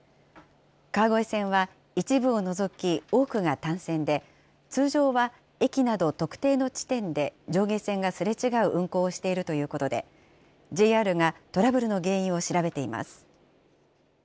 川越線は一部を除き、多くが単線で、通常は駅など特定の地点で上下線がすれ違う運行をしているということで、ＪＲがトラブルの原因を調べています。